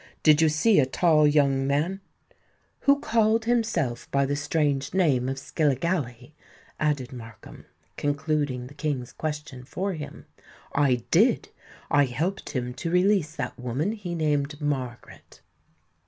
"Did you see a tall young man——" "Who called himself by the strange name of Skilligalee?" added Markham, concluding the King's question for him. "I did;—I helped him to release that woman he named Margaret."